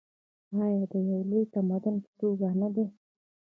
آیا د یو لوی تمدن په توګه نه دی؟